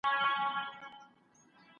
د کوثر له حوضه ډکه پیمانه يې